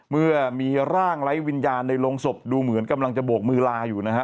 เมื่อมีร่างไร้วิญญาณในโรงศพดูเหมือนกำลังจะโบกมือลาอยู่นะฮะ